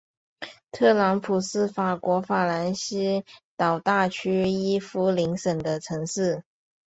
特拉普是法国法兰西岛大区伊夫林省的城市。